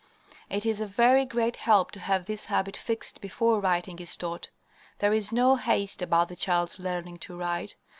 It is a very great help to have this habit fixed before writing is taught. There is no haste about the child's learning to write.